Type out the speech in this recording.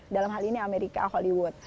dalam hal ini amerika hollywood